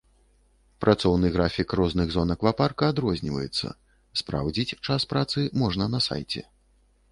Працоўны графік розных зон аквапарка адрозніваецца, спраўдзіць час працы можна на сайце.